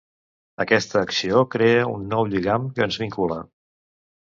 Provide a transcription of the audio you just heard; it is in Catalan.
Aquesta acció crea un nou lligam que ens vincula.